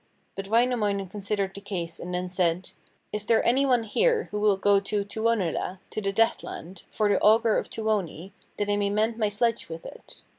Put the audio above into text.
But Wainamoinen considered the case and then said: 'Is there any one here who will go to Tuonela, to the Deathland, for the auger of Tuoni, that I may mend my sledge with it?'